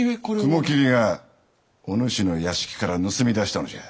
雲霧がお主の屋敷から盗み出したのじゃ。